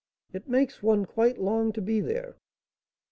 It makes one quite long to be there."